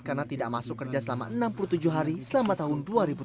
karena tidak masuk kerja selama enam puluh tujuh hari selama tahun dua ribu tujuh belas